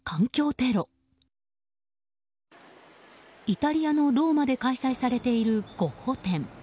イタリアのローマで開催されているゴッホ展。